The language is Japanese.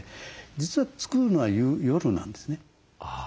実は作るのは夜なんですね。